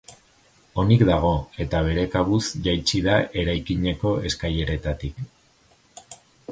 Onik dago, eta bere kabuz jaitsi da eraikineko eskaileretatik.